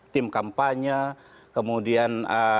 tim kampanye kemudian